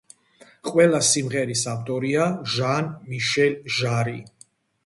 ყველა სიმღერის ავტორია ჟან-მიშელ ჟარი.